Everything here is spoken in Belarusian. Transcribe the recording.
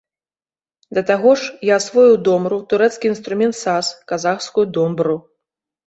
Да таго ж, я асвоіў домру, турэцкі інструмент саз, казахскую домбру.